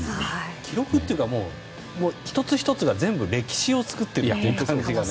記録っていうのは１つ１つが全部歴史を作っている感じがね。